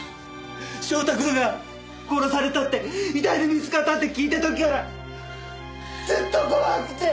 翔太くんが殺されたって遺体で見つかったって聞いた時からずっと怖くて！